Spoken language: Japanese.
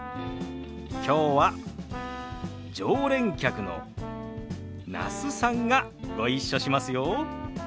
きょうは常連客の那須さんがご一緒しますよ。